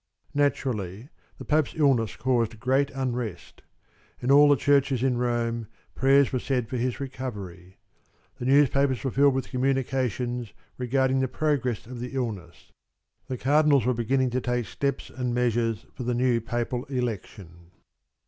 Naturally, the Pope's illness caused great unrest. In all the churches in Rome prayers were said for his recovery. The newspapers were filled with communications regarding the progress of the illness. The Cardinals were beginning to take steps and measures for the new Papal election.